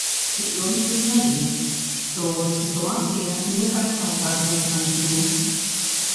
Ён прызнае, што сітуацыя не такая адназначная.